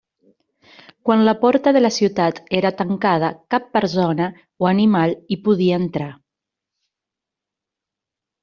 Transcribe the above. Quan la porta de la ciutat era tancada, cap persona o animal hi podia entrar.